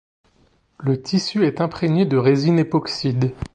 Le tissu est imprégné de résine époxyde.